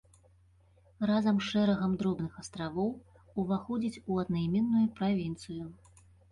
Разам з шэрагам дробных астравоў уваходзіць у аднаіменную правінцыю.